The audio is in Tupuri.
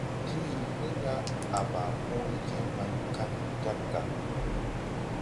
Timiini riŋ ga à baa põõ ne je maŋ kag jāg ga.